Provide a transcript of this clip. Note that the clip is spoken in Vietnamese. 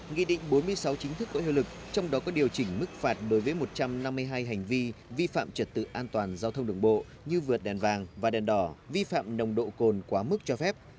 nghị định bốn mươi sáu chính thức có hiệu lực trong đó có điều chỉnh mức phạt đối với một trăm năm mươi hai hành vi vi phạm trật tự an toàn giao thông đường bộ như vượt đèn vàng và đèn đỏ vi phạm nồng độ cồn quá mức cho phép